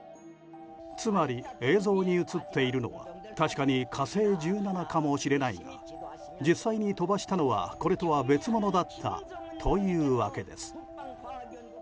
つまり、映像に映っているのは確かに「火星１７」かもしれないが実際に飛ばしたのはこれとは別物だったというわけです。